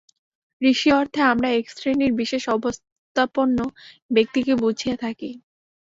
ঋষি-অর্থে আমরা এক শ্রেণীর বিশেষ-অবস্থাপন্ন ব্যক্তিকে বুঝিয়া থাকি।